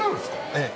ええ。